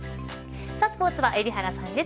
スポーツは海老原さんです。